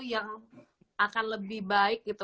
yang akan lebih baik gitu